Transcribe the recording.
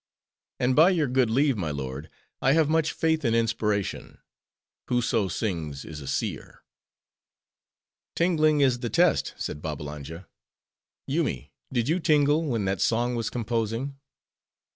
And by your good leave, my lord, I have much faith in inspiration. Whoso sings is a seer." "Tingling is the test," said Babbalanja, "Yoomy, did you tingle, when that song was composing?"